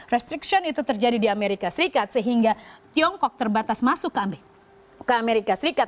restriction itu terjadi di amerika serikat sehingga tiongkok terbatas masuk ke amerika serikat